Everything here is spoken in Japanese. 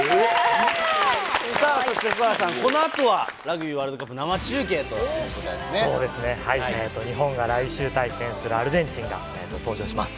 さあ、そして福岡さん、ラグビーワールドカップ生中継ということ日本が来週、対戦するアルゼンチンが登場します。